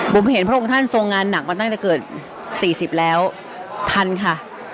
ผมเห็นพระองค์ท่านทรงงานหนักมาตั้งแต่เกิด๔๐แล้วทันค่ะ